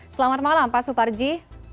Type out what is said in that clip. selamat malam pak suparji